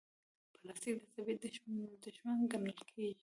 پلاستيک د طبیعت دښمن ګڼل کېږي.